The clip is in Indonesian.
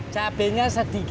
cabenya sedikit kan